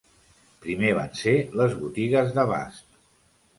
Primer van ser les botigues d'abast.